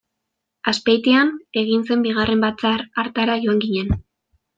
Azpeitian egin zen bigarren batzar hartara joan ginen.